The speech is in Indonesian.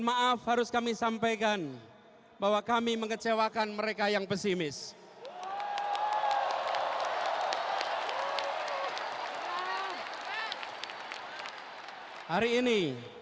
maaf harus kami sampaikan bahwa kami mengecewakan mereka yang pesimis hai hai hari ini